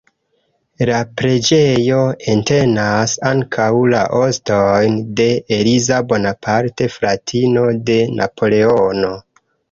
La preĝejo entenas ankaŭ la ostojn de Eliza Bonaparte, fratino de Napoleono.